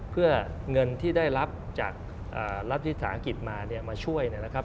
เพื่อเงินที่ได้รับจากรัฐวิสาหกิจมาเนี่ยมาช่วยนะครับ